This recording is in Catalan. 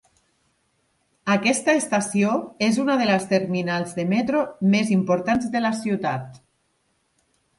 Aquesta estació és una de les terminals de metro més importants de la ciutat.